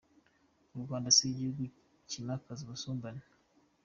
U Rwanda si igihugu kimakaza ubusumbane.